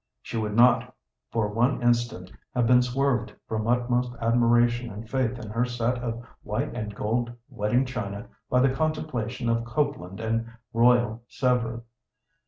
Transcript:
She would not for one instant have been swerved from utmost admiration and faith in her set of white and gold wedding china by the contemplation of Copeland and Royal Sèvres.